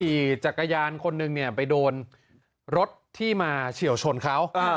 ขี่จักรยานคนหนึ่งเนี่ยไปโดนรถที่มาเฉียวชนเขา